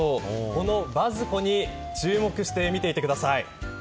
このバズ子に注目して見ていてください。